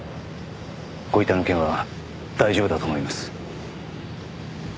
ご遺体の件は大丈夫だと思います。